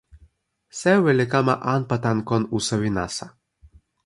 sewi li kama anpa tan kon usawi nasa.